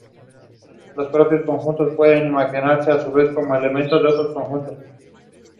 Los propios conjuntos pueden imaginarse a su vez como elementos de otros conjuntos.